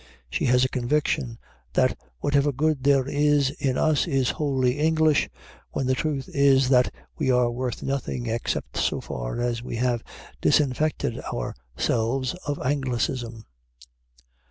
She has a conviction that whatever good there is in us is wholly English, when the truth is that we are worth nothing except so far as we have disinfected ourselves of Anglicism.